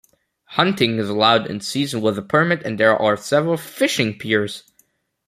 Hunting is allowed in season with a permit and there are several fishing piers.